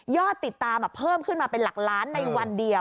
ติดตามเพิ่มขึ้นมาเป็นหลักล้านในวันเดียว